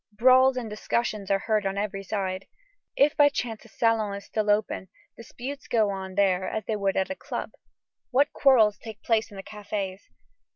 Brawls and discussions are heard on every side. If by chance a salon is still open, disputes go on there as they would at a club. What quarrels take place in the cafés!